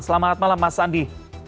selamat malam mas andi